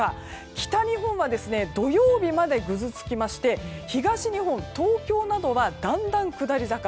北日本は土曜日までぐずつきまして東日本、東京などはだんだん下り坂。